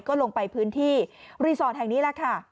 ก็ลงไปพื้นที่ฮายนี้ล่ะค่ะ